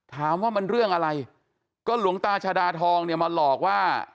ถามว่ามันเรื่องอะไรก็หลวงตาชาดาทองเนี่ยมาหลอกว่า